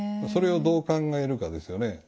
それをどう考えるかですよね。